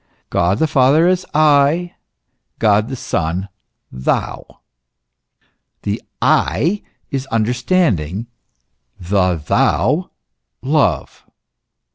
God the Father is I, God the Son Thou. The / is understanding, the Thou love.